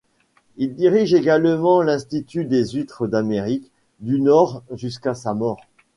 Il dirige également l’institut des huîtres d’Amérique du Nord jusqu’à sa mort.